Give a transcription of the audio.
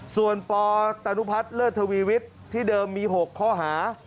ส่วนปตนุพัฒน์เลิศทวีวิทย์ที่เดิมมี๖ข้อหา